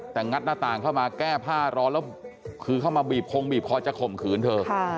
แต่งัดหน้าต่างเข้ามาแก้ผ้าร้อนแล้วคือเข้ามาบีบคงบีบคอจะข่มขืนเธอ